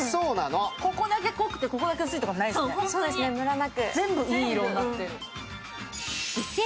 ここだけ濃くてここだけ薄いとかないです。